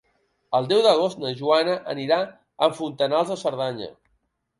El deu d'agost na Joana anirà a Fontanals de Cerdanya.